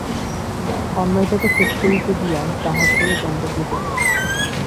অন্যায়টাকে শেষ করিতে দিয়া তাহার পরে দণ্ড দিবেন।